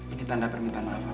ini tanda permintaan maaf pak